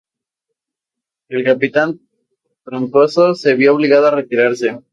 El capitán Troncoso, se vio obligado a retirarse.